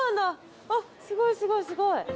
あっすごいすごいすごい。